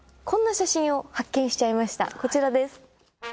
こんな写真を発見しちゃいましたこちらです。